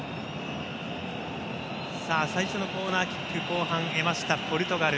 最初のコーナーキック後半得ましたポルトガル。